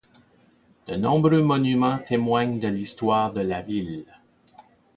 De nombreux monuments témoignent de l'histoire de la ville.